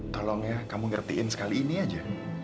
tolong ya kamu ngertiin sekali ini aja